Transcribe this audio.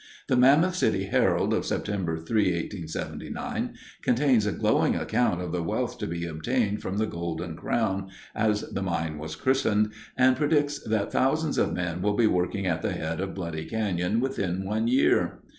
The Mammoth City Herald of September 3, 1879, contains a glowing account of the wealth to be obtained from the "Golden Crown," as the mine was christened, and predicts that thousands of men will be working at the head of Bloody Canyon within one year.